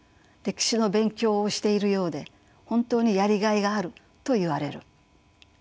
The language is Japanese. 歴史の勉強をしているようで本当にやりがいがあると言われる。